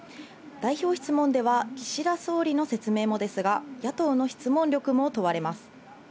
代表質問では岸田総理の説明もですが、野党の質問力も問われます。